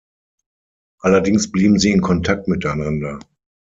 Allerdings blieben sie in Kontakt miteinander.